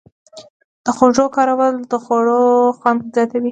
د خوږو کارول د خوړو خوند زیاتوي.